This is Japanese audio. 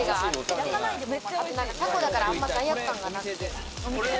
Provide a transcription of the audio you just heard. タコだからあまり罪悪感がない。